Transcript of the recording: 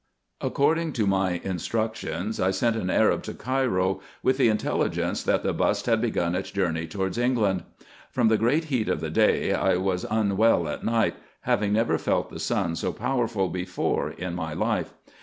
According to my instructions, I sent an Arab to Cairo with the intelligence, that the bust had begun its journey towards England. From the great heat of the day I was unwell at night, having never felt the sun so powerful before in my life.